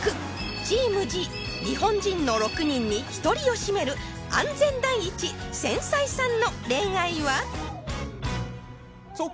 チームＧ日本人の６人に１人を占める安全第一繊細さんの恋愛は？